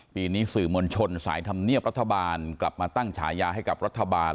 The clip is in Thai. ปีนี้สื่อมวลชนสายธรรมเนียบรัฐบาลกลับมาตั้งฉายาให้กับรัฐบาล